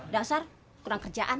dasar kurang kerjaan